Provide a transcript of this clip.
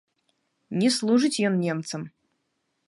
Не служыць ён немцам!